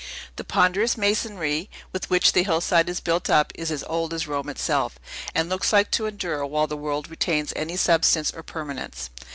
The ponderous masonry, with which the hillside is built up, is as old as Rome itself, and looks likely to endure while the world retains any substance or permanence.